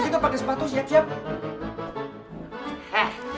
kita pakai sepatu siap siap